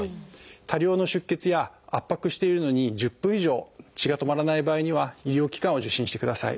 多量の出血や圧迫しているのに１０分以上血が止まらない場合には医療機関を受診してください。